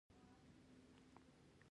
چیرې چې جهالت نه وي.